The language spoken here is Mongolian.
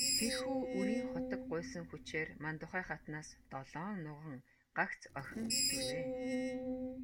Тэрхүү үрийн хутаг гуйсан хүчээр Мандухай хатнаас долоон нуган, гагц охин төрвэй.